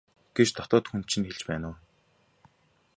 гэж дотоод хүн чинь хэлж байна уу?